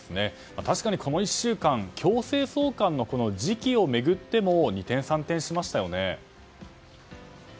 確かにこの１週間強制送還の時期を巡っても二転三転しましたよね。